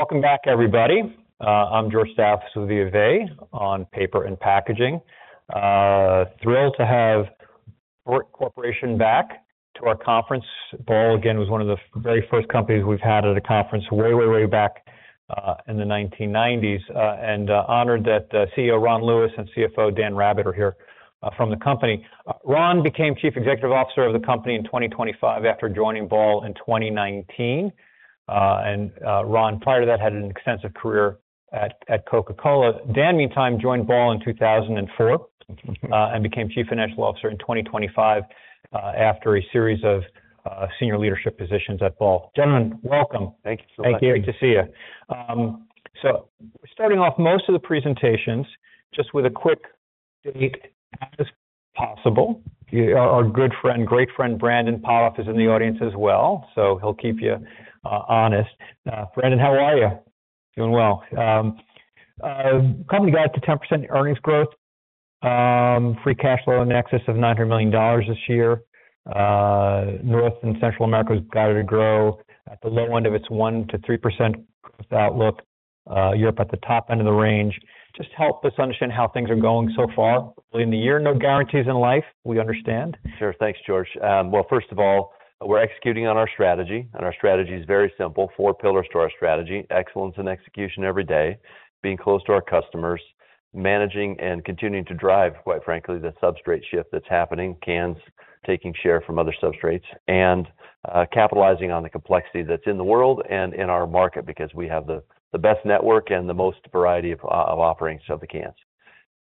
Welcome back, everybody. I'm George Staphos with you today on Paper and Packaging. Thrilled to have Ball Corporation back to our conference. Ball, again, was one of the very first companies we've had at a conference way, way back in the 1990s. Honored that CEO Ron Lewis and CFO Dan Rabbitt are here from the company. Ron became Chief Executive Officer of the company in 2025 after joining Ball in 2019. Ron, prior to that, had an extensive career at Coca-Cola. Dan, meantime, joined Ball in 2004 and became Chief Financial Officer in 2025 after a series of senior leadership positions at Ball. Gentlemen, welcome. Thank you so much. Great to see you. Starting off most of the presentations, just with a quick take as possible. Our good friend, great friend, Brandon Potthoff, is in the audience as well, so he'll keep you honest. Brandon, how are you? Company guide to 10% earnings growth, free cash flow in excess of $900 million this year. North and Central America is guided to grow at the low end of its 1%-3% growth outlook. Europe at the top end of the range. Just help us understand how things are going so far in the year. No guarantees in life, we understand. Sure. Thanks, George. Well, first of all, we're executing on our strategy, and our strategy is very simple. Four pillars to our strategy: excellence in execution every day, being close to our customers, managing and continuing to drive, quite frankly, the substrate shift that's happening, cans taking share from other substrates, capitalizing on the complexity that's in the world and in our market, because we have the best network and the most variety of offerings of the cans.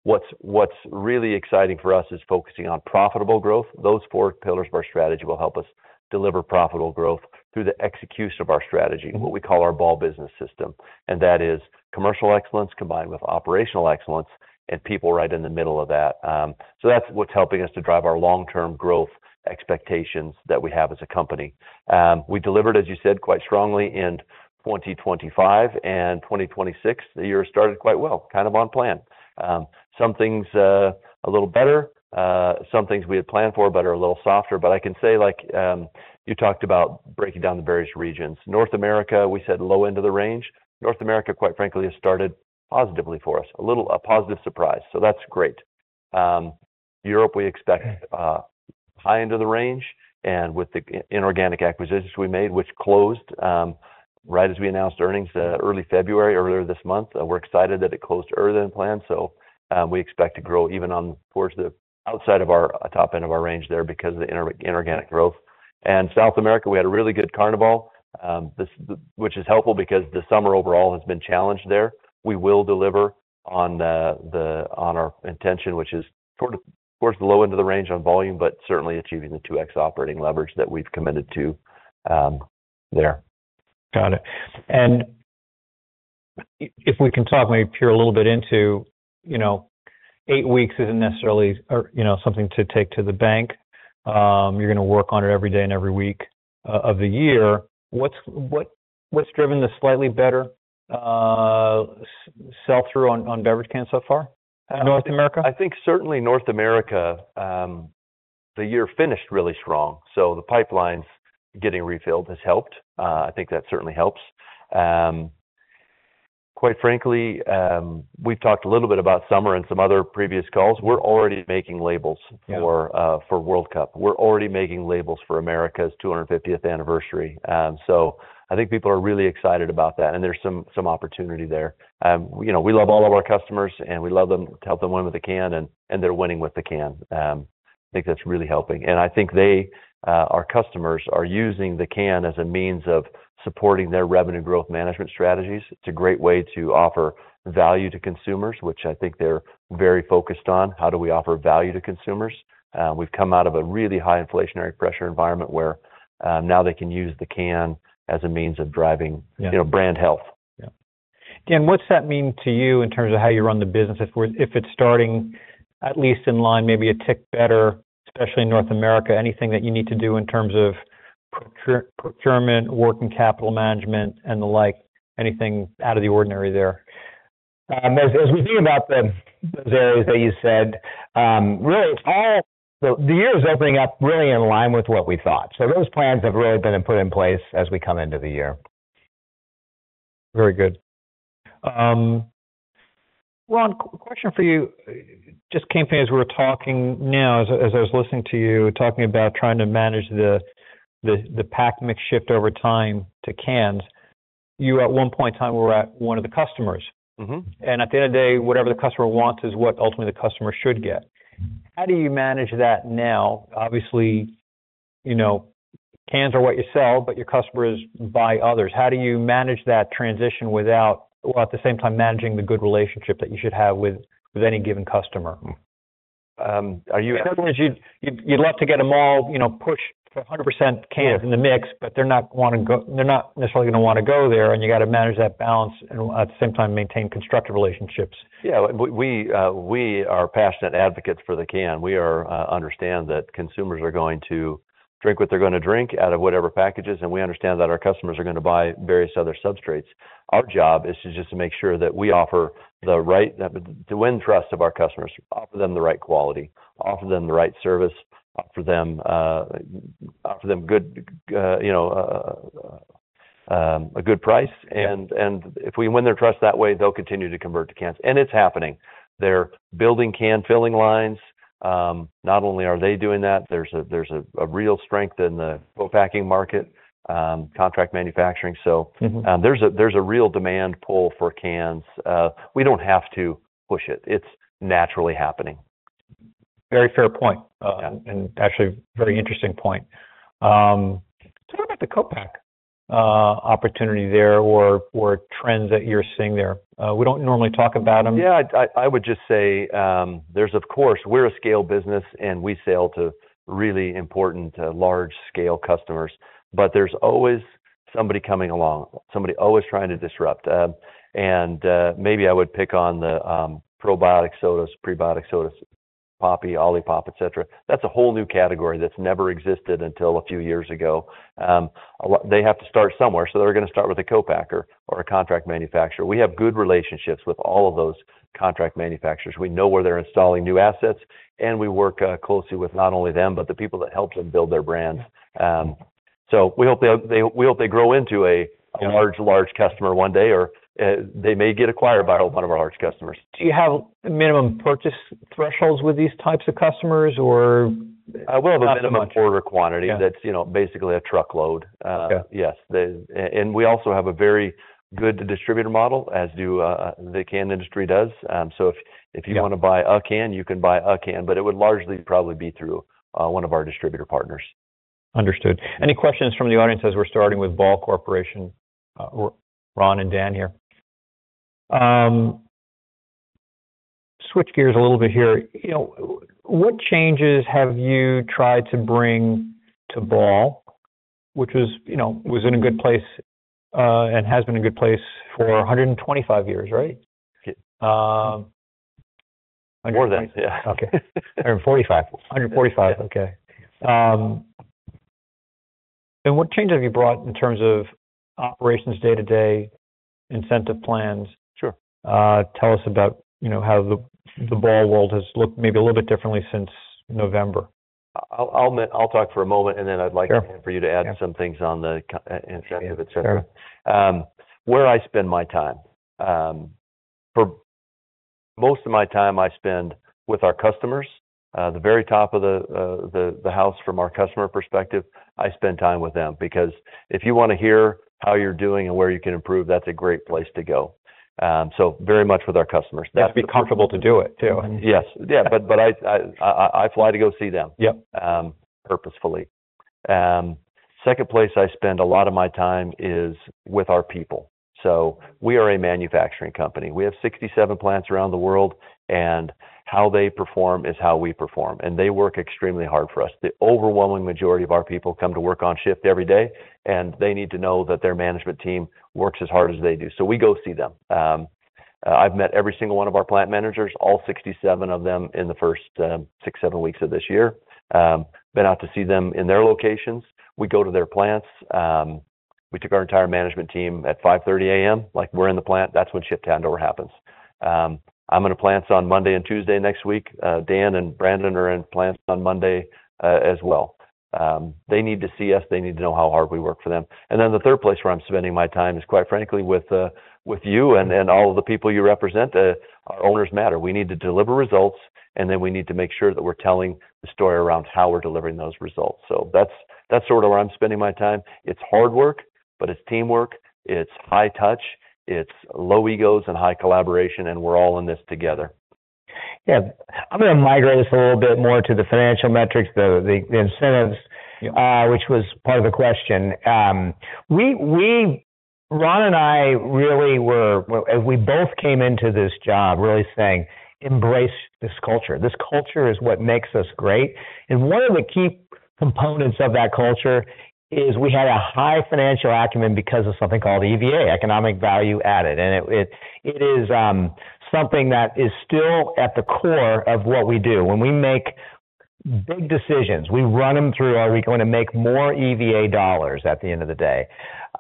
What's really exciting for us is focusing on profitable growth. Those four pillars of our strategy will help us deliver profitable growth through the execution of our strategy, what we call our Ball Business System, and that is commercial excellence combined with operational excellence and people right in the middle of that. That's what's helping us to drive our long-term growth expectations that we have as a company. We delivered, as you said, quite strongly in 2025 and 2026. The year started quite well, kind of on plan. Some things, a little better, some things we had planned for, but are a little softer. I can say, like, you talked about breaking down the various regions. North America, we said, low end of the range. North America, quite frankly, has started positively for us, a little a positive surprise, so that's great. Europe, we expect, high end of the range and with the inorganic acquisitions we made, which closed, right as we announced earnings, early February, earlier this month. We're excited that it closed earlier than planned. We expect to grow even on towards the outside of our top end of our range there because of the inorganic growth. South America, we had a really good carnival, this which is helpful because the summer overall has been challenged there. We will deliver on our intention, which is towards the low end of the range on volume, but certainly achieving the 2x operating leverage that we've committed to there. Got it. If we can talk maybe peer a little bit into, you know, eight weeks isn't necessarily or, you know, something to take to the bank. You're gonna work on it every day and every week of the year. What's, what's driven the slightly better sell through on beverage cans so far in North America? I think certainly North America, the year finished really strong. The pipelines getting refilled has helped. I think that certainly helps. Quite frankly, we've talked a little bit about summer in some other previous calls. We're already making labels for World Cup. We're already making labels for America's 250th anniversary. I think people are really excited about that, and there's some opportunity there. You know, we love all of our customers, and we love them to help them win with the can, and they're winning with the can. I think that's really helping. I think they, our customers, are using the can as a means of supporting their revenue growth management strategies. It's a great way to offer value to consumers, which I think they're very focused on: "How do we offer value to consumers?" We've come out of a really high inflationary pressure environment where, now they can use the can as a means of driving, you know, brand health. Yeah. Dan, what's that mean to you in terms of how you run the business if it's starting at least in line, maybe a tick better, especially in North America, anything that you need to do in terms of procurement, working capital management, and the like, anything out of the ordinary there? As we think about those areas that you said, really it's all. The year is opening up really in line with what we thought. Those plans have really been put in place as we come into the year. Very good. Ron, a question for you. Just came up as we were talking now, as I was listening to you talking about trying to manage the pack mix shift over time to cans. You, at one point in time, were at one of the customers. At the end of the day, whatever the customer wants is what ultimately the customer should get. How do you manage that now? Obviously, you know, cans are what you sell, but your customers buy others. How do you manage that transition without-- While at the same time managing the good relationship that you should have with any given customer? In other words, you'd love to get them all, you know, push for 100% cans in the mix, but they're not necessarily gonna wanna go there, and you got to manage that balance and at the same time, maintain constructive relationships. Yeah. We are passionate advocates for the can. We understand that consumers are going to drink what they're gonna drink out of whatever packages, and we understand that our customers are gonna buy various other substrates. Our job is to just to make sure that we offer the right to win trust of our customers, offer them the right quality, offer them the right service. offer them good, you know, a good price. If we win their trust that way, they'll continue to convert to cans, and it's happening. They're building can filling lines. Not only are they doing that, there's a real strength in the co-packing market, contract manufacturing. There's a real demand pull for cans. We don't have to push it. It's naturally happening. Very fair point. Actually, a very interesting point. What about the co-pack opportunity there or trends that you're seeing there? We don't normally talk about them. I would just say, there's, of course, we're a scale business, and we sell to really important, large-scale customers, but there's always somebody coming along, somebody always trying to disrupt. Maybe I would pick on the probiotic sodas, prebiotic sodas, poppi, OLIPOP, et cetera. That's a whole new category that's never existed until a few years ago. They have to start somewhere, so they're gonna start with a co-packer or a contract manufacturer. We have good relationships with all of those contract manufacturers. We know where they're installing new assets, and we work closely with not only them, but the people that help them build their brands. We hope they grow into a large customer one day, or, they may get acquired by one of our large customers. Do you have minimum purchase thresholds with these types of customers or not much? We have a minimum order quantity. That's, you know, basically a truckload. We also have a very good distributor model, as do the can industry does. If you wanna buy a can, you can buy a can, but it would largely probably be through one of our distributor partners. Understood. Any questions from the audience as we're starting with Ball Corporation? Ron and Dan here. Switch gears a little bit here. You know, what changes have you tried to bring to Ball, which was, you know, was in a good place, and has been a good place for 125 years, right? Yeah. More than. Yeah. Okay. 145. 145. Yeah. Okay. What change have you brought in terms of operations day-to-day, incentive plans? Tell us about, you know, how the Ball world has looked maybe a little bit differently since November. I'll talk for a moment, and then I'd like for you to add some things on the incentive, et cetera. Sure. Where I spend my time. For most of my time, I spend with our customers. The very top of the house from our customer perspective, I spend time with them because if you wanna hear how you're doing and where you can improve, that's a great place to go. Very much with our customers. You have to be comfortable to do it, too. Yes. Yeah, but I fly to go see them, purposefully. Second place I spend a lot of my time is with our people. We are a manufacturing company. We have 67 plants around the world, and how they perform is how we perform, and they work extremely hard for us. The overwhelming majority of our people come to work on shift every day, and they need to know that their management team works as hard as they do, so we go see them. I've met every single one of our plant managers, all 67 of them, in the first six, seven weeks of this year. Been out to see them in their locations. We go to their plants. We took our entire management team at 5:30 A.M., like, we're in the plant, that's when shift handover happens. I'm in plants on Monday and Tuesday next week. Dan and Brandon are in plants on Monday as well. They need to see us. They need to know how hard we work for them. The third place where I'm spending my time is, quite frankly, with you and all of the people you represent. Our owners matter. We need to deliver results, and then we need to make sure that we're telling the story around how we're delivering those results. That's sort of where I'm spending my time. It's hard work, but it's teamwork, it's high touch, it's low egos and high collaboration, and we're all in this together. Yeah. I'm gonna migrate this a little bit more to the financial metrics, the incentives which was part of the question. Ron and I really were-- We both came into this job really saying, "Embrace this culture. This culture is what makes us great." One of the key components of that culture is we had a high financial acumen because of something called EVA, economic value added, and it is, something that is still at the core of what we do. When we make big decisions, we run them through, "Are we going to make more EVA dollars at the end of the day?"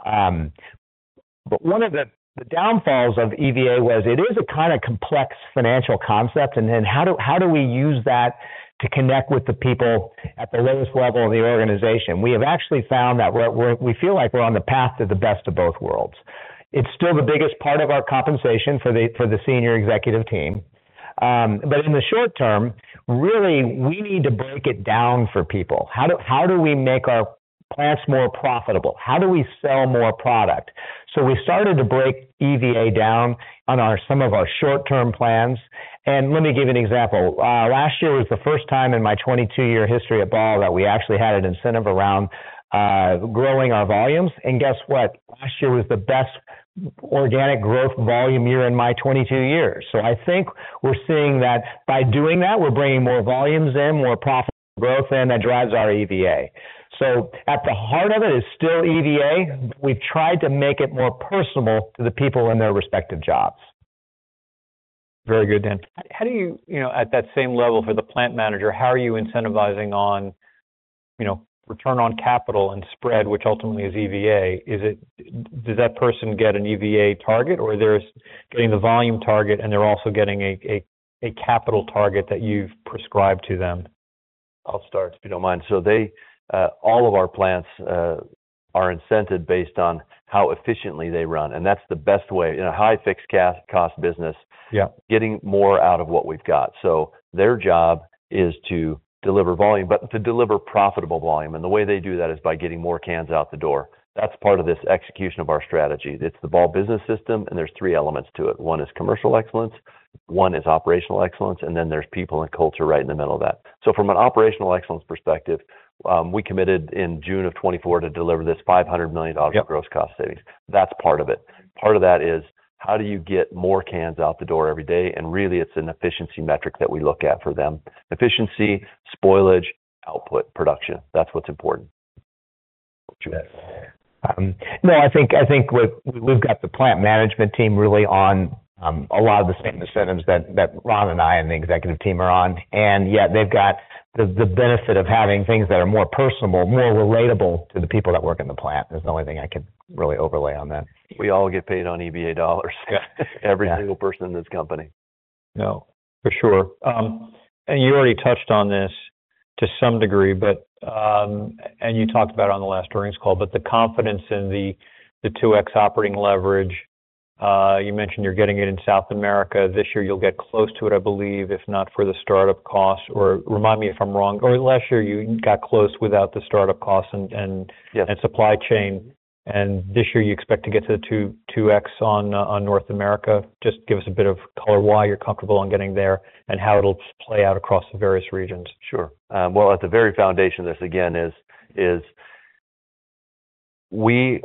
One of the downfalls of EVA was it is a kinda complex financial concept, and then how do we use that to connect with the people at the lowest level of the organization? We have actually found that we're we feel like we're on the path to the best of both worlds. It's still the biggest part of our compensation for the senior executive team. In the short term, really, we need to break it down for people. How do we make our plants more profitable? How do we sell more product? We started to break EVA down some of our short-term plans, let me give you an example. Last year was the first time in my 22-year history at Ball that we actually had an incentive around growing our volumes. Guess what? Last year was the best organic growth volume year in my 22 years. I think we're seeing that by doing that, we're bringing more volumes in, more profitable growth in, that drives our EVA. At the heart of it is still EVA. We've tried to make it more personal to the people in their respective jobs. Very good, Dan. How do you know, at that same level for the plant manager, how are you incentivizing you know, return on capital and spread, which ultimately is EVA? Is it, does that person get an EVA target, or they're getting the volume target, and they're also getting a capital target that you've prescribed to them? I'll start, if you don't mind. They, all of our plants, are incented based on how efficiently they run, and that's the best way. In a high fixed gas cost business, getting more out of what we've got. Their job is to deliver volume, but to deliver profitable volume, and the way they do that is by getting more cans out the door. That's part of this execution of our strategy. It's the Ball Business System. There's three elements to it. One is Commercial Excellence, one is Operational Excellence, and then there's people and culture right in the middle of that. From an Operational Excellence perspective, we committed in June of 2024 to deliver this $500 million of gross cost savings. That's part of it. Part of that is, how do you get more cans out the door every day? Really, it's an efficiency metric that we look at for them. Efficiency, spoilage, output, production, that's what's important. No, I think we've got the plant management team really on a lot of the same incentives that Ron and I, and the executive team are on. Yet they've got the benefit of having things that are more personable, more relatable to the people that work in the plant. There's the only thing I could really overlay on that. We all get paid on EVA dollars. Yeah. Every single person in this company. No, for sure. You already touched on this to some degree, but, and you talked about on the last earnings call, but the confidence in the 2x operating leverage, you mentioned you're getting it in South America. This year, you'll get close to it, I believe, if not for the startup costs, remind me if I'm wrong? Last year, you got close without the startup costs and supply chain, and this year you expect to get to the 2x on North America. Just give us a bit of color on why you're comfortable on getting there, and how it'll play out across the various regions. Sure. Well, at the very foundation, this again, is we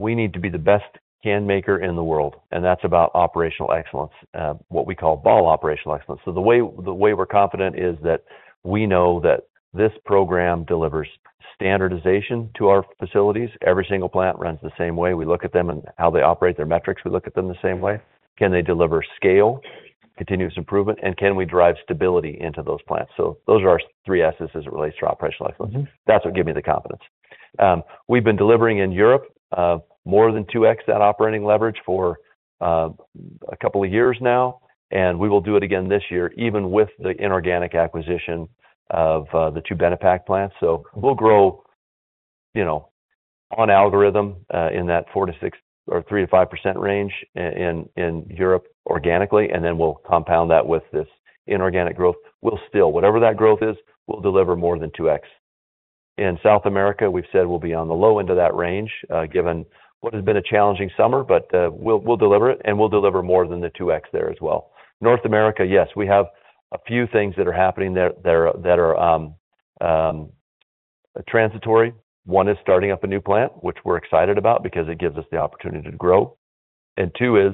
need to be the best can maker in the world, and that's about operational excellence, what we call Ball Operational Excellence. The way we're confident is that we know that this program delivers standardization to our facilities. Every single plant runs the same way. We look at them and how they operate, their metrics, we look at them the same way. Can they deliver scale, continuous improvement, and can we drive stability into those plants? Those are our three S's as it relates to operational excellence. That's what give me the confidence. We've been delivering in Europe more than 2x that operating leverage for a couple of years now, and we will do it again this year, even with the inorganic acquisition of the two Benepack plants. We'll grow, you know, on algorithm, in that 4%-6% or 3%-5% range in Europe organically, and then we'll compound that with this inorganic growth. Whatever that growth is, we'll deliver more than 2x. In South America, we've said we'll be on the low end of that range, given what has been a challenging summer, we'll deliver it, and we'll deliver more than the 2x there as well. North America, yes, we have a few things that are happening there that are transitory. One is starting up a new plant, which we're excited about because it gives us the opportunity to grow, and two is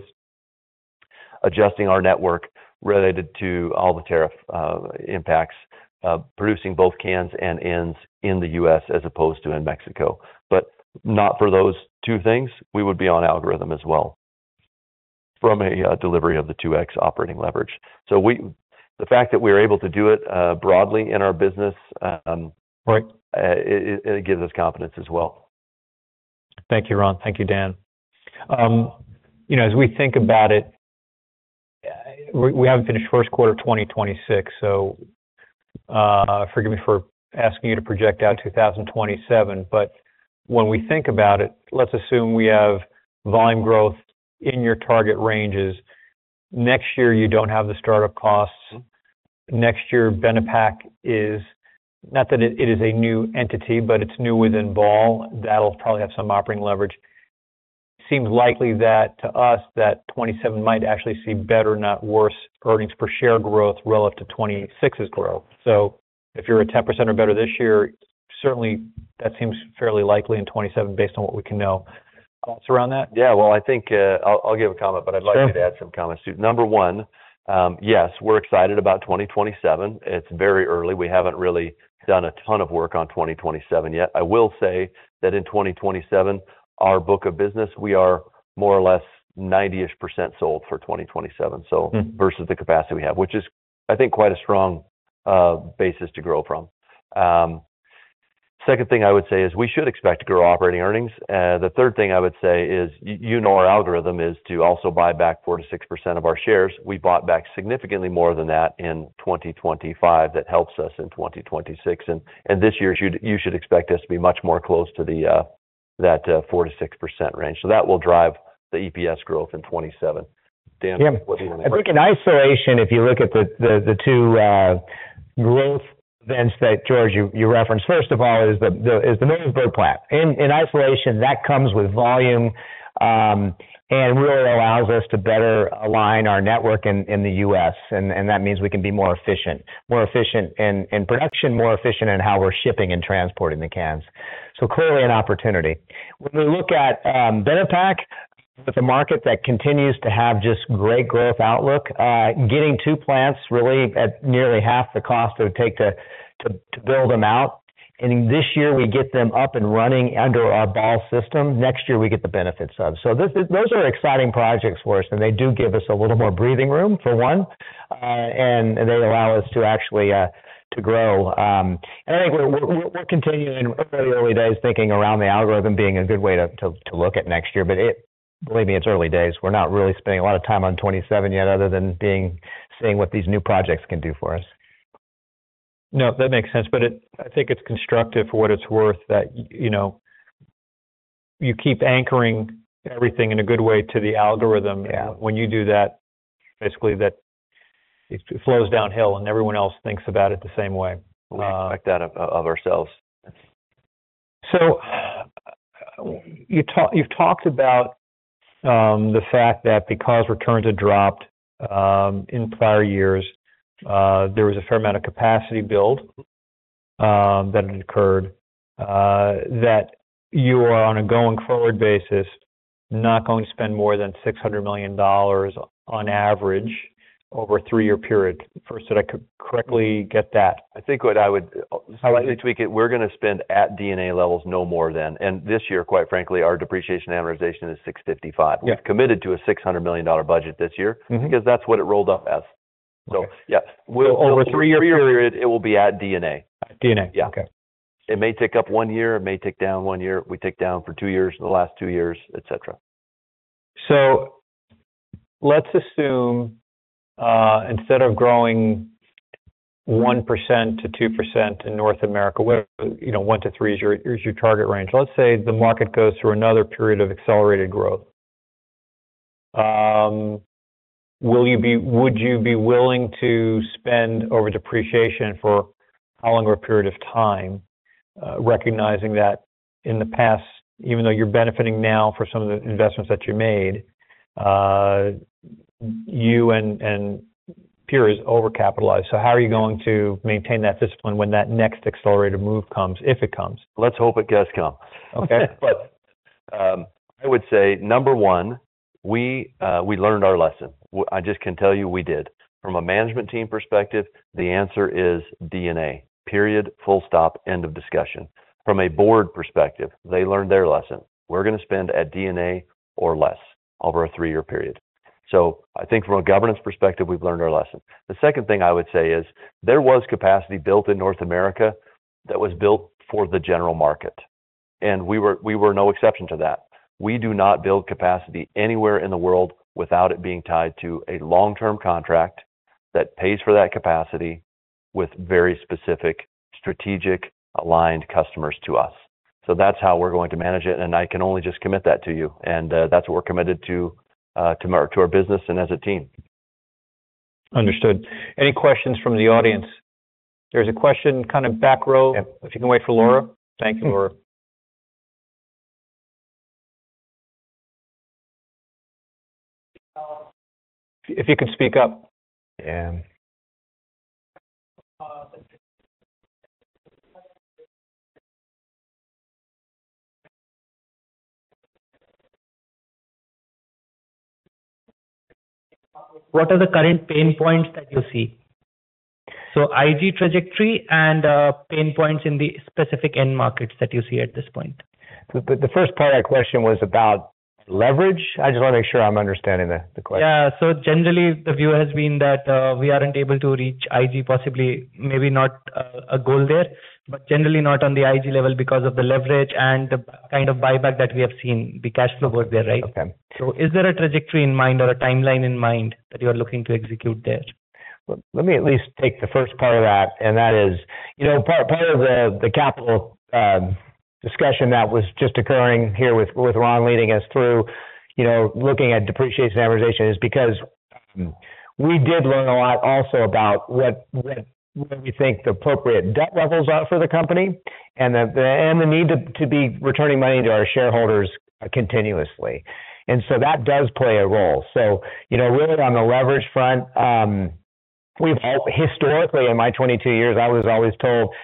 adjusting our network related to all the tariff impacts, producing both cans and ends in the U.S. as opposed to in Mexico. Not for those two things, we would be on algorithm as well from a delivery of the 2x operating leverage. The fact that we are able to do it broadly in our business, it gives us confidence as well. Thank you, Ron. Thank you, Dan. You know, as we think about it, we haven't finished first quarter 2026, so forgive me for asking you to project out 2027. When we think about it, let's assume we have volume growth in your target ranges. Next year, you don't have the start-up costs. Next year, Benepack is, not that it is a new entity, but it's new within Ball. That'll probably have some operating leverage. Seems likely that, to us, that 2027 might actually see better, not worse, earnings per share growth relative to 2026's growth. If you're at 10% or better this year, certainly, that seems fairly likely in 2027 based on what we can know. Thoughts around that? Well, I think, I'll give a comment, but I'd like Dan to add some comments, too. Number one, yes, we're excited about 2027. It's very early. We haven't really done a ton of work on 2027 yet. I will say that in 2027, our book of business, we are more or less 90%-ish sold for 2027 versus the capacity we have, which is, I think, quite a strong basis to grow from. Second thing I would say is we should expect to grow operating earnings. The third thing I would say is, you know, our algorithm is to also buy back 4%-6% of our shares. We bought back significantly more than that in 2025. That helps us in 2026, and this year, you should expect us to be much more close to the that 4%-6% range. That will drive the EPS growth in 2027. Dan? Yeah. What do you wanna say? I think in isolation, if you look at the two growth events that, George, you referenced, first of all, is the Millersburg plant. In isolation, that comes with volume, and really allows us to better align our network in the U.S., and that means we can be more efficient in production, more efficient in how we're shipping and transporting the cans. Clearly an opportunity. When we look at Benepack, with the market that continues to have just great growth outlook, getting two plants really at nearly half the cost it would take to build them out, and this year we get them up and running under our Ball system. Next year, we get the benefits of. Those are exciting projects for us, and they do give us a little more breathing room, for one. They allow us to actually to grow. I think we're continuing early days thinking around the algorithm being a good way to look at next year. Believe me, it's early days. We're not really spending a lot of time on 2027 yet, other than seeing what these new projects can do for us. No, that makes sense, but I think it's constructive, for what it's worth, that, you know, you keep anchoring everything in a good way to the algorithm. When you do that, basically, that it flows downhill, and everyone else thinks about it the same way. We expect that of ourselves. You've talked about the fact that because returns had dropped in prior years, there was a fair amount of capacity build that had occurred, that you are, on a going-forward basis, not going to spend more than $600 million on average over a three-year period. First, did I correctly get that? I think what I would slightly tweak it. We're gonna spend at D&A levels no more than-- This year, quite frankly, our depreciation amortization is $655 million. We've committed to a $600 million budget this year because that's what it rolled up as. Okay. Yeah. Over a three-year period. Three-year period, it will be at D&A. At D&A. Yeah. Okay. It may tick up one year, it may tick down one year. We tick down for two years, the last two years, et cetera. Let's assume, instead of growing 1%-2% in North America, where, you know, 1%-3% is your target range. Let's say the market goes through another period of accelerated growth. Would you be willing to spend over depreciation for how long of a period of time, recognizing that in the past, even though you're benefiting now for some of the investments that you made, you and peers overcapitalized? How are you going to maintain that discipline when that next accelerated move comes, if it comes? Let's hope it does come. Okay. I would say, number one, we learned our lesson. I just can tell you we did. From a management team perspective, the answer is D&A. Period, full stop, end of discussion. From a board perspective, they learned their lesson. We're gonna spend at D&A or less over a three-year period. I think from a governance perspective, we've learned our lesson. The second thing I would say is there was capacity built in North America that was built for the general market, and we were no exception to that. We do not build capacity anywhere in the world without it being tied to a long-term contract that pays for that capacity with very specific strategic aligned customers to us. That's how we're going to manage it, and I can only just commit that to you, and that's what we're committed to to our business and as a team. Understood. Any questions from the audience? There's a question, kind of back row. If you can wait for Laura. Thank you, Laura. If you could speak up. What are the current pain points that you see? IG trajectory and pain points in the specific end markets that you see at this point. The first part of that question was about leverage? I just wanna make sure I'm understanding the question. Generally, the view has been that, we aren't able to reach IG, possibly, maybe not, a goal there, but generally not on the IG level because of the leverage and the kind of buyback that we have seen, the cash flow over there, right? Is there a trajectory in mind or a timeline in mind that you are looking to execute there? Well, let me at least take the first part of that, and that is, you know, part of the capital discussion that was just occurring here with Ron leading us through, you know, looking at depreciation and amortization, is because we did learn a lot also about what we think the appropriate debt levels are for the company and the need to be returning money to our shareholders continuously. That does play a role. You know, really on the leverage front, historically, in my 22 years, I was always told,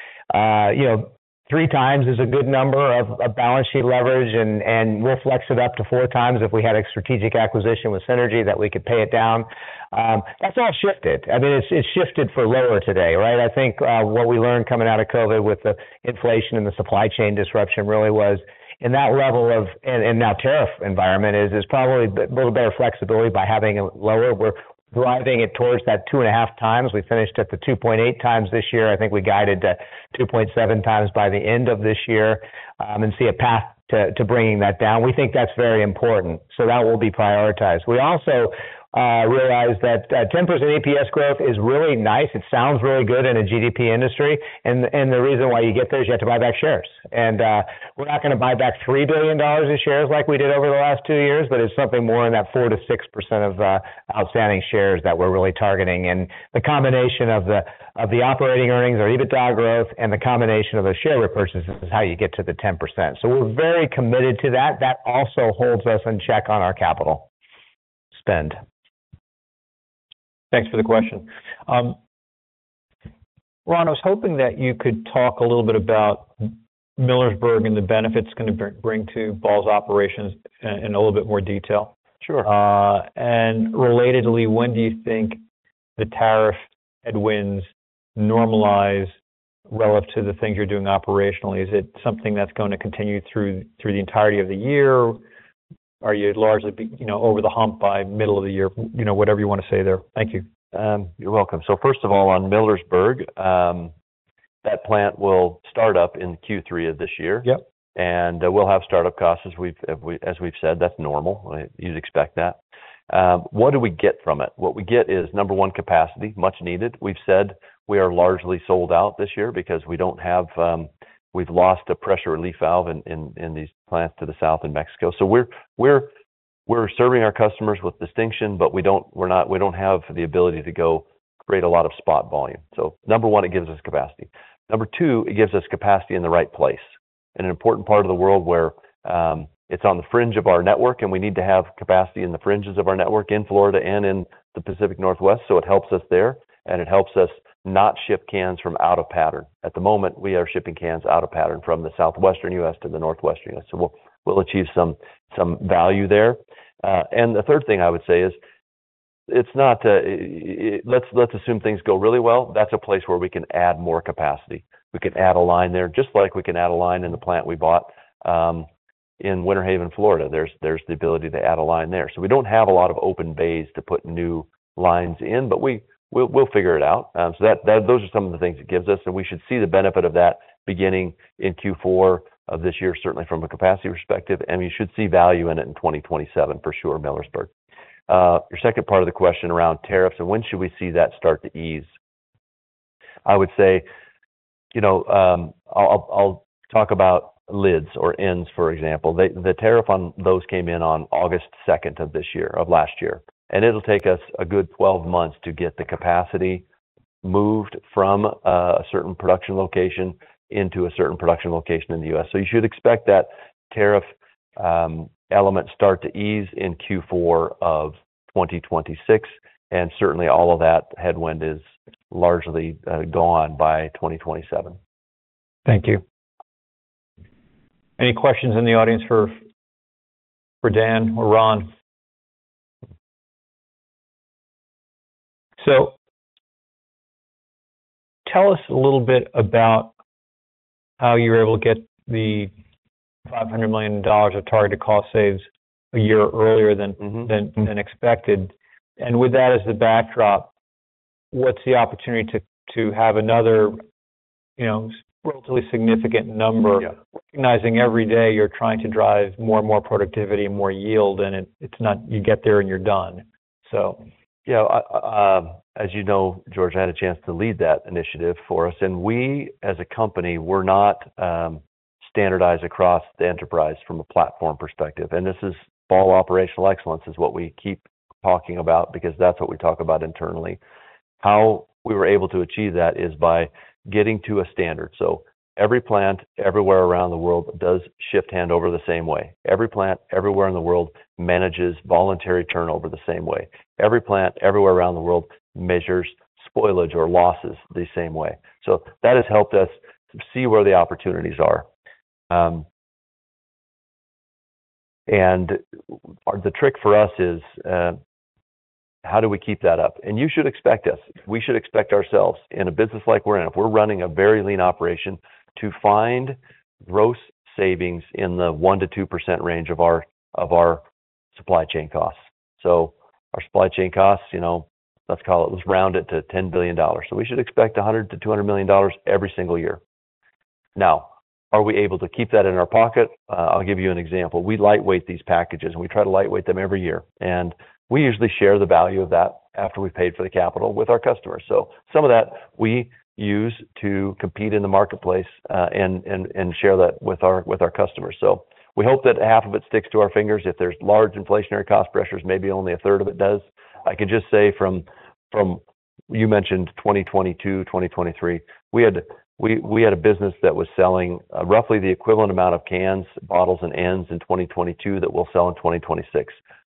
you know, 3x is a good number of balance sheet leverage, and we'll flex it up to 4x if we had a strategic acquisition with synergy that we could pay it down. That's all shifted. I mean, it's shifted for lower today, right? I think, what we learned coming out of COVID with the inflation and the supply chain disruption, really was in that level of and that tariff environment, is probably a little better flexibility by having it lower. We're driving it towards that 2.5x. We finished at the 2.8x this year. I think we guided to 2.7x by the end of this year, and see a path to bringing that down. We think that's very important, so that will be prioritized. We also realize that 10% EPS growth is really nice. It sounds really good in a GDP industry, and the reason why you get those, you have to buy back shares. We're not gonna buy back $3 billion in shares like we did over the last two years, but it's something more in that 4%-6% of outstanding shares that we're really targeting. The combination of the operating earnings, our EBITDA growth and the combination of the share repurchases is how you get to the 10%. We're very committed to that. That also holds us in check on our capital spend. Thanks for the question. Ron, I was hoping that you could talk a little bit about Millersburg and the benefits it's gonna bring to Ball's operations in a little bit more detail. Sure. And relatedly, when do you think the tariff headwinds normalize relative to the things you're doing operationally? Is it something that's going to continue through the entirety of the year? Are you largely, you know, over the hump by middle of the year? You know, whatever you want to say there. Thank you. You're welcome. First of all, on Millersburg, that plant will start up in Q3 of this year. We'll have start-up costs as we've said, that's normal. You'd expect that. What do we get from it? What we get is, number one, capacity, much needed. We've said we are largely sold out this year because we don't have, we've lost a pressure relief valve in these plants to the south in Mexico. We're serving our customers with distinction, but we don't have the ability to go create a lot of spot volume. Number one, it gives us capacity. Number two, it gives us capacity in the right place, in an important part of the world where it's on the fringe of our network, and we need to have capacity in the fringes of our network, in Florida and in the Pacific Northwest. It helps us there, and it helps us not ship cans from out of pattern. At the moment, we are shipping cans out of pattern from the Southwestern U.S. to the Northwestern U.S. We'll achieve some value there. The third thing I would say is, it's not. Let's assume things go really well. That's a place where we can add more capacity. We can add a line there, just like we can add a line in the plant we bought in Winter Haven, Florida. There's the ability to add a line there. We don't have a lot of open bays to put new lines in, we'll figure it out. Those are some of the things it gives us, we should see the benefit of that beginning in Q4 of this year, certainly from a capacity perspective, you should see value in it in 2027, for sure, Millersburg. Your second part of the question around tariffs and when should we see that start to ease? I would say, you know, I'll talk about lids or ends, for example. The tariff on those came in on August 2nd of last year, it'll take us a good 12 months to get the capacity moved from a certain production location into a certain production location in the U.S. You should expect that tariff, element start to ease in Q4 of 2026, and certainly, all of that headwind is largely gone by 2027. Thank you. Any questions in the audience for Dan or Ron? Tell us a little bit about how you were able to get the $500 million of targeted cost saves a year earlier than expected. And with that as the backdrop, what's the opportunity to have another, you know, relatively significant number recognizing every day you're trying to drive more and more productivity and more yield, and it's not you get there, and you're done. Yeah, as you know, George, I had a chance to lead that initiative for us. We, as a company, we're not standardized across the enterprise from a platform perspective. This is Ball Operational Excellence is what we keep talking about because that's what we talk about internally. How we were able to achieve that is by getting to a standard. Every plant, everywhere around the world, does shift handover the same way. Every plant, everywhere in the world manages voluntary turnover the same way. Every plant, everywhere around the world, measures spoilage or losses the same way. That has helped us see where the opportunities are. The trick for us is, how do we keep that up? You should expect us. We should expect ourselves in a business like we're in, if we're running a very lean operation, to find gross savings in the 1%-2% range of our supply chain costs. Our supply chain costs, you know, let's call it, let's round it to $10 billion. We should expect $100 million-$200 million every single year. Now, are we able to keep that in our pocket? I'll give you an example. We lightweight these packages, and we try to lightweight them every year, and we usually share the value of that after we've paid for the capital with our customers. Some of that we use to compete in the marketplace, and share that with our customers. We hope that half of it sticks to our fingers. If there's large inflationary cost pressures, maybe only a third of it does. I can just say from-- You mentioned 2022, 2023, we had a business that was selling, roughly the equivalent amount of cans, bottles, and ends in 2022 that we'll sell in 2026.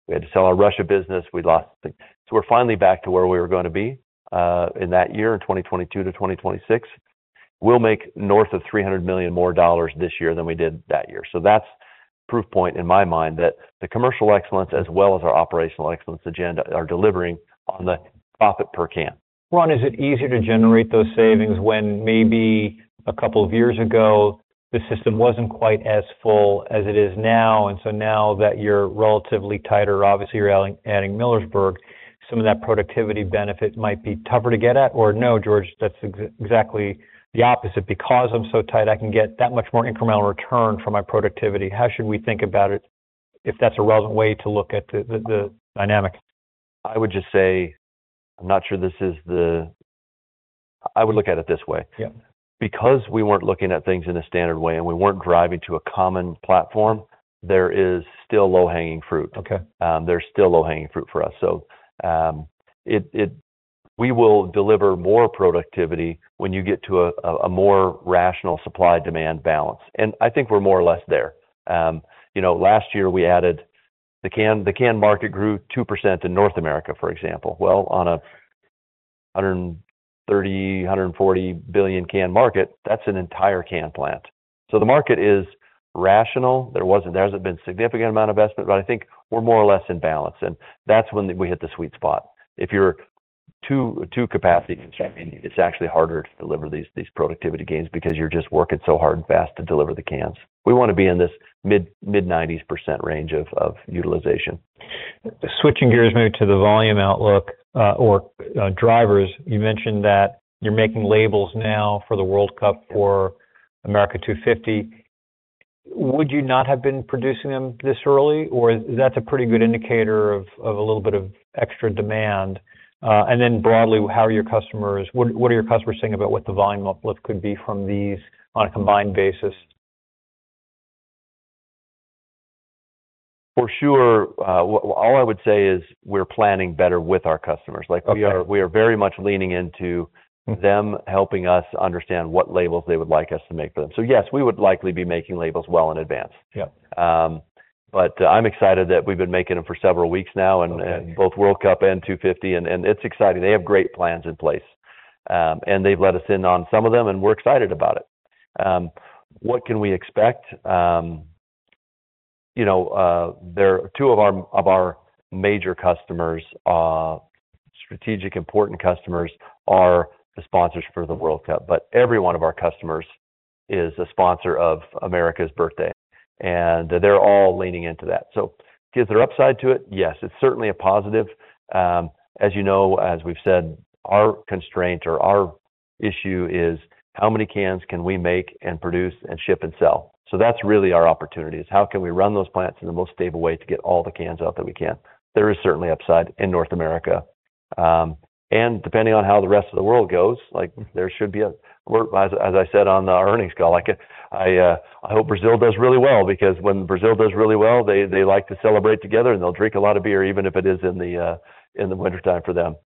We had to sell our Russia business, we lost it. We're finally back to where we were gonna be, in that year, in 2022 to 2026. We'll make north of $300 million more this year than we did that year. That's proof point, in my mind, that the commercial excellence, as well as our operational excellence agenda, are delivering on the profit per can. Ron, is it easier to generate those savings when maybe a couple of years ago, the system wasn't quite as full as it is now, and so now that you're relatively tighter, obviously, you're adding Millersburg, some of that productivity benefit might be tougher to get at? No, George, that's exactly the opposite. Because I'm so tight, I can get that much more incremental return from my productivity. How should we think about it if that's a relevant way to look at the dynamic? I would just say, I'm not sure this is the— I would look at it this way. Because we weren't looking at things in a standard way and we weren't driving to a common platform, there is still low-hanging fruit. There's still low-hanging fruit for us. We will deliver more productivity when you get to a more rational supply-demand balance, and I think we're more or less there. You know, last year we added the can market grew 2% in North America, for example. Well, on a $130 billion-$140 billion can market, that's an entire can plant. The market is rational. There hasn't been a significant amount of investment, but I think we're more or less in balance, and that's when we hit the sweet spot. Two capacity constraints. I mean, it's actually harder to deliver these productivity gains because you're just working so hard and fast to deliver the cans. We wanna be in this mid-90s% range of utilization. Switching gears maybe to the volume outlook or drivers. You mentioned that you're making labels now for the World Cup for America250. Would you not have been producing them this early, or is that a pretty good indicator of a little bit of extra demand? Then broadly, what are your customers saying about what the volume uplift could be from these on a combined basis? For sure, all I would say is we're planning better with our customers. Like, we are very much leaning into them, helping us understand what labels they would like us to make for them. Yes, we would likely be making labels well in advance. I'm excited that we've been making them for several weeks now. Okay. Both World Cup and 250, and it's exciting. They have great plans in place. They've let us in on some of them, and we're excited about it. What can we expect? You know, two of our major customers, strategic important customers are the sponsors for the World Cup, but every one of our customers is a sponsor of America's birthday, and they're all leaning into that. Is there upside to it? Yes, it's certainly a positive. As you know, as we've said, our constraint or our issue is: how many cans can we make, and produce, and ship, and sell? That's really our opportunity, is how can we run those plants in the most stable way to get all the cans out that we can? There is certainly upside in North America. Depending on how the rest of the world goes, like, there should be as I said, on our earnings call, I hope Brazil does really well because when Brazil does really well, they like to celebrate together, and they'll drink a lot of beer, even if it is in the wintertime for them.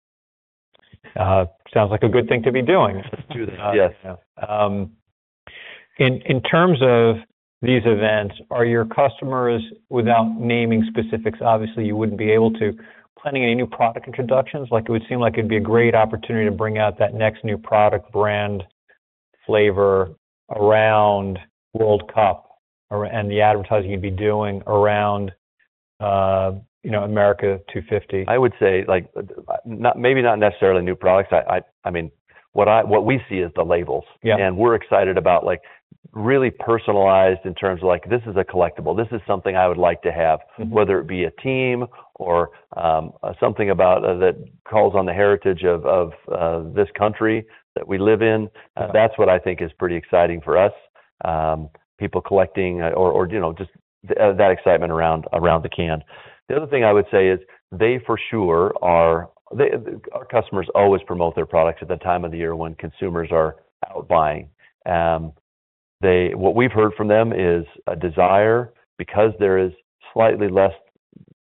Sounds like a good thing to be doing. It does, yes. In terms of these events, are your customers, without naming specifics, obviously, you wouldn't be able to, planning any new product introductions? Like, it would seem like it'd be a great opportunity to bring out that next new product, brand, flavor around World Cup and the advertising you'd be doing around, you know, America250? I would say, like, maybe not necessarily new products. I mean, what we see is the labels. We're excited about, like, really personalized in terms of like, this is a collectible. This is something I would like to have, whether it be a team or, something about, that calls on the heritage of, this country that we live in. That's what I think is pretty exciting for us. People collecting, or, you know, just, that excitement around the can. The other thing I would say is they for sure are-- our customers always promote their products at the time of the year when consumers are out buying. What we've heard from them is a desire, because there is slightly less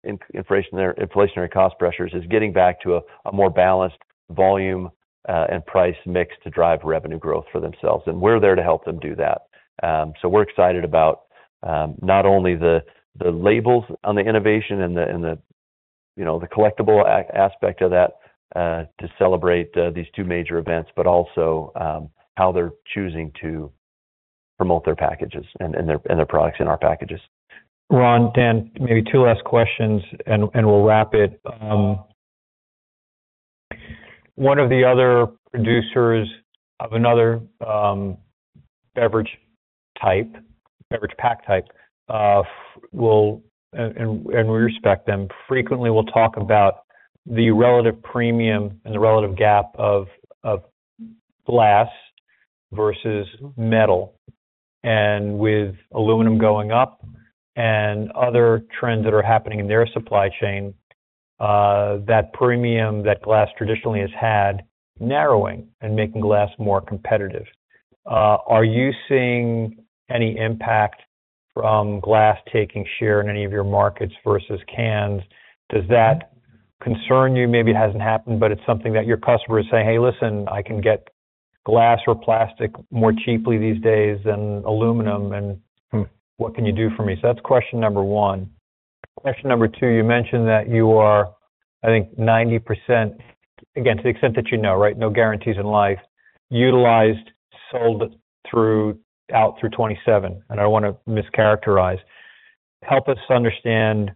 inflationary cost pressures, is getting back to a more balanced volume, and price mix to drive revenue growth for themselves, and we're there to help them do that. We're excited about not only the labels on the innovation and the, and the, you know, the collectible aspect of that, to celebrate these two major events, but also how they're choosing to promote their packages and their, and their products in our packages. Ron, Dan, maybe two last questions, we'll wrap it. One of the other producers of another beverage type, beverage pack type, and we respect them, frequently, we'll talk about the relative premium and the relative gap of glass versus metal. With aluminum going up and other trends that are happening in their supply chain, that premium that glass traditionally has had, narrowing and making glass more competitive. Are you seeing any impact from glass taking share in any of your markets versus cans? Does that concern you? Maybe it hasn't happened, but it's something that your customers say, "Hey, listen, I can get glass or plastic more cheaply these days than aluminum, and what can you do for me?" That's question number one. Question number two, you mentioned that you are, I think, 90%, again, to the extent that you know, right? No guarantees in life, utilized, sold out through 2027. I don't wanna mischaracterize. Help us understand,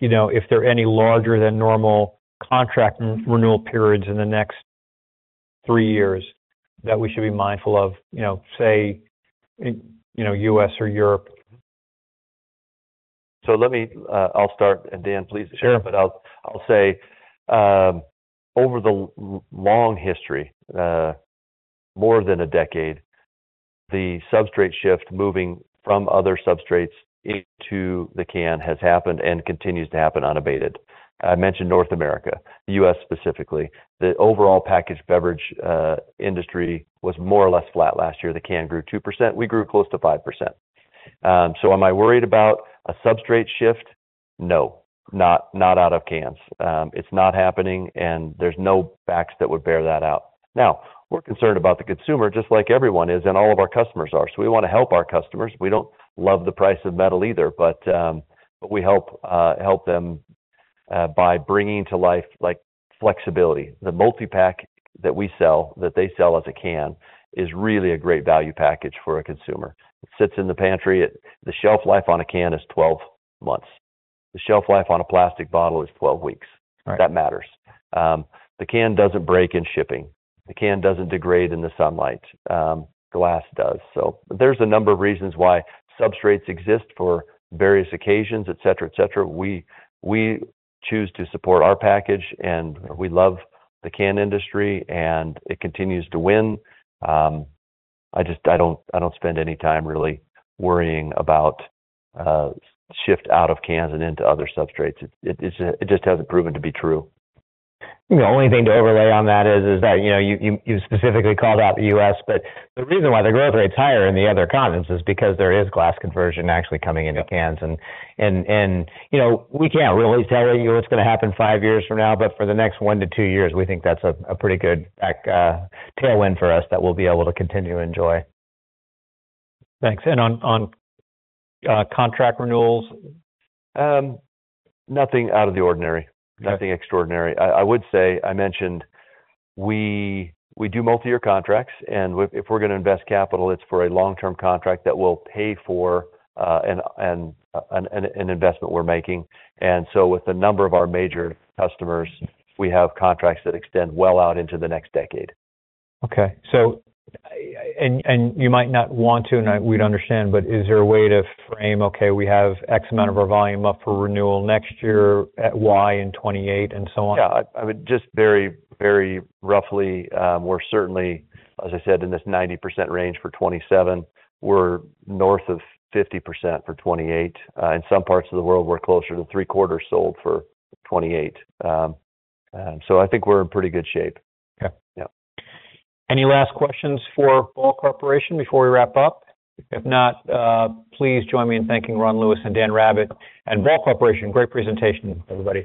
you know, if there are any larger than normal contract renewal periods in the next three years, that we should be mindful of, you know, say, in, you know, U.S. or Europe. I'll start, and Dan, please chip in. Sure. I'll say, over the long history, more than a decade, the substrate shift, moving from other substrates into the can, has happened and continues to happen unabated. I mentioned North America, the U.S. specifically. The overall packaged beverage industry was more or less flat last year. The can grew 2%, we grew close to 5%. Am I worried about a substrate shift? No, not out of cans. It's not happening, and there's no facts that would bear that out. Now, we're concerned about the consumer, just like everyone is, and all of our customers are. We wanna help our customers. We don't love the price of metal either, but we help them by bringing to life, like, flexibility. The multi-pack that we sell, that they sell as a can, is really a great value package for a consumer. It sits in the pantry. The shelf life on a can is 12 months. The shelf life on a plastic bottle is 12 weeks. That matters. The can doesn't break in shipping. The can doesn't degrade in the sunlight, glass does. There's a number of reasons why substrates exist for various occasions, et cetera, et cetera. We choose to support our package, and we love the can industry, and it continues to win. I don't spend any time really worrying about shift out of cans and into other substrates. It just hasn't proven to be true. The only thing to overlay on that is that, you know, you specifically called out the U.S., but the reason why the growth rate's higher in the other continents is because there is glass conversion actually coming into cans. You know, we can't really tell you what's gonna happen five years from now, but for the next one to two years, we think that's a pretty good tailwind for us that we'll be able to continue to enjoy. Thanks. On contract renewals? Nothing out of the ordinary. Okay. Nothing extraordinary. I would say, I mentioned we do multiyear contracts. If we're gonna invest capital, it's for a long-term contract that will pay for an investment we're making. With a number of our major customers, we have contracts that extend well out into the next decade. You might not want to, and we'd understand, but is there a way to frame, "Okay, we have X amount of our volume up for renewal next year at Y in 2028," and so on? Yeah. I would just very, very roughly, we're certainly, as I said, in this 90% range for 2027. We're north of 50% for 2028. In some parts of the world, we're closer to three quarters sold for 2028. I think we're in pretty good shape. Okay. Yeah. Any last questions for Ball Corporation before we wrap up? If not, please join me in thanking Ron Lewis and Dan Rabbitt and Ball Corporation. Great presentation, everybody.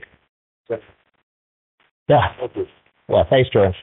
Yeah. Thank you. Well, thanks, George.